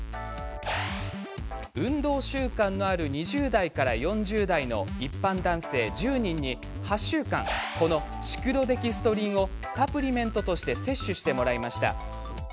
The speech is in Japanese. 運動習慣のある２０代から４０代の一般男性１０人に８週間このシクロデキストリンをサプリメントとして摂取してもらいました。